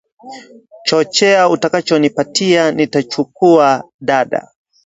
Chochote utakachonipatia nitachukua dada